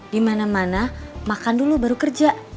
di mana mana makan dulu baru kerja